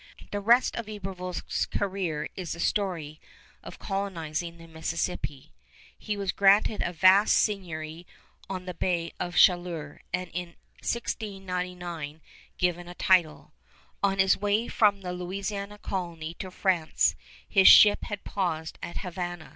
The rest of Iberville's career is the story of colonizing the Mississippi. He was granted a vast seigniory on the Bay of Chaleur, and in 1699 given a title. On his way from the Louisiana colony to France his ship had paused at Havana.